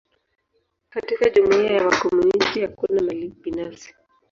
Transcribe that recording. Katika jumuia ya wakomunisti, hakuna mali binafsi.